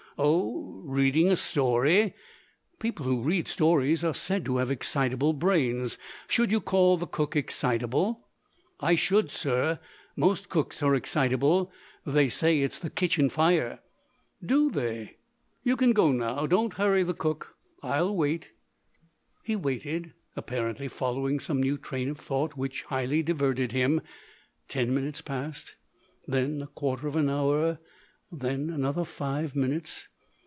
"Oh? reading a story? People who read stories are said to have excitable brains. Should you call the cook excitable?" "I should, sir! Most cooks are excitable. They say it's the kitchen fire." "Do they? You can go now. Don't hurry the cook I'll wait." He waited, apparently following some new train of thought which highly diverted him. Ten minutes passed then a quarter of an hour then another five minutes.